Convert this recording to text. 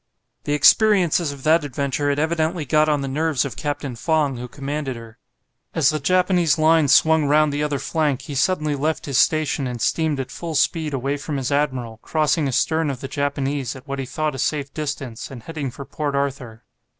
The experiences of that adventure had evidently got on the nerves of Captain Fong, who commanded her. As the Japanese line swung round the other flank, he suddenly left his station and steamed at full speed away from his admiral, crossing astern of the Japanese, at what he thought a safe distance, and heading for Port Arthur.